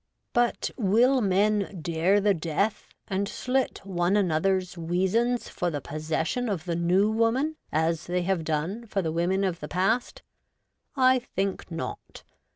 But will men dare the death and slit one another's weasands for the possession of the New Woman as they have done for the women of the past ? I think not.